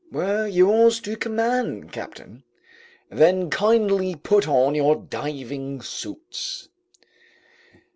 "We're yours to command, captain." "Then kindly put on your diving suits."